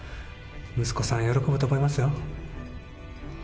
息子さん、喜ぶと思いますよ。